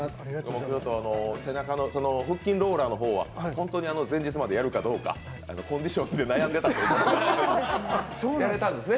背中の腹筋ローラーの方は本当に前日までやるかどうかコンディションで悩んでたんですが、やれたんですね。